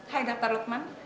hai dr lukman